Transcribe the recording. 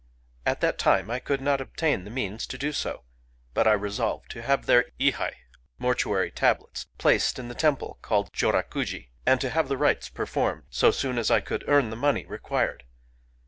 At that time I could not obtain the means to do so ; but I resolved to have their thai [mortuary tablets] placed in the temple called Jorakuji, and to have the rites performed, so soon as I could earn the money required.